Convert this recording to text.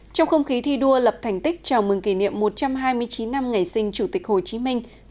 trong không khí thi đua lập thành tích chào mừng kỷ niệm một trăm hai mươi chín năm ngày sinh chủ tịch hồ chí minh